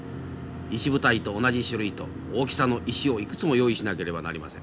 石舞台と同じ種類と大きさの石をいくつも用意しなければなりません。